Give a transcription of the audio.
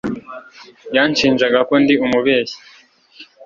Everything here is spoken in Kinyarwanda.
yanshinjaga ko ndi umubeshyi